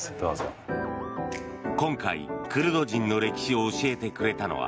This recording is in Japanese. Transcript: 今回、クルド人の歴史を教えてくれたのは